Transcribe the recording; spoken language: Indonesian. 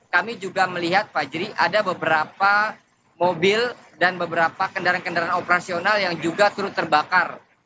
kami juga melihat fajri ada beberapa mobil dan beberapa kendaraan kendaraan operasional yang juga turut terbakar